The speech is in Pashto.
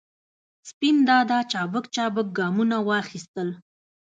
سپین دادا چابک چابک ګامونه واخستل.